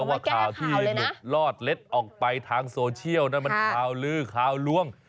ว่าข่าวที่หลุดลอดเล็ดออกไปทางโซเชียลนั้นมันข่าวลือข่าวล่วง